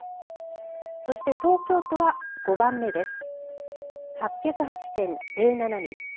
そして、東京都は５番目です。